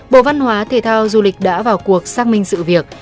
bộ văn hóa thể thao du lịch đã vào cuộc xác minh sự việc